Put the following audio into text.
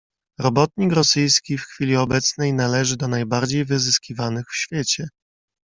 "Robotnik rosyjski w chwili obecnej należy do najbardziej wyzyskiwanych w świecie."